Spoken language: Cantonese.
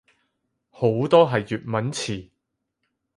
好多係粵文詞